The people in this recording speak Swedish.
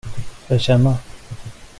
Får jag känna?